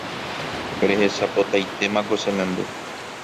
Rehechapotaitémako che memby